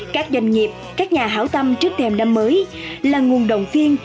các doanh nghiệp các nhà hảo tâm trước thêm năm mới là nguồn đồng tiên